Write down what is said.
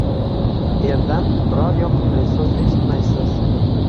Erdan biron yokimli so‘z eshitmaysiz